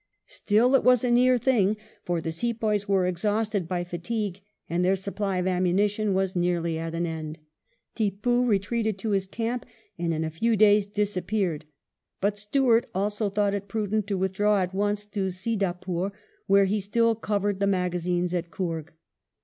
Still it was a near thing, for the Sepoys were exhausted by fatigue, and their supply of ammunition was nearly at an end. Tippoo retreated to his camp, and in a few days disappeared ; but Stuart also thought it prudent to withdraw at once to Seeda pore, where he still covered the magazines in Coorg.